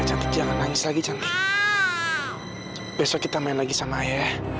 cantik jangan nangis lagi cantik besok kita main lagi sama ayah